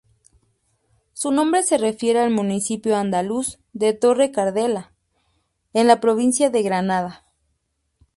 Su nombre se refiere al municipio andaluz de Torre-Cardela, en la provincia de Granada.